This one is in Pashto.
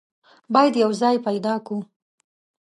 بايد يو ځای پيدا کو.